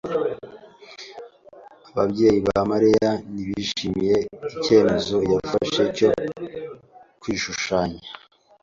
Ababyeyi ba Mariya ntibishimiye icyemezo yafashe cyo kwishushanya.